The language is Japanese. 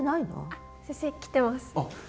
あっ先生来てます。